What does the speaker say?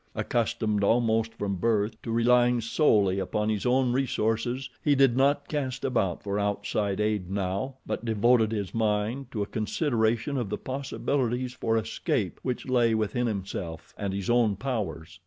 Accustomed almost from birth to relying solely upon his own resources, he did not cast about for outside aid now, but devoted his mind to a consideration of the possibilities for escape which lay within himself and his own powers.